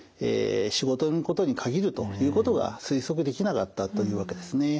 仕事のことに限るということが推測できなかったというわけですね。